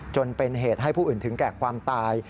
จนเป็นเหตุให้ผู้อื่นถึงแก่ความตาย